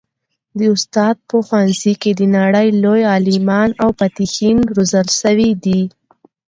د استاد په ښوونځي کي د نړۍ لوی عالمان او فاتحین روزل سوي دي.